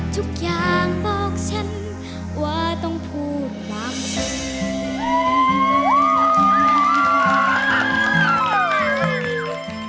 ทุกอย่างบอกฉันว่าต้องพูดความจริง